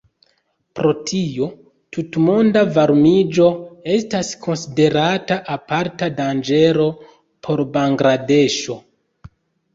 Pro tio, tutmonda varmiĝo estas konsiderata aparta danĝero por Bangladeŝo.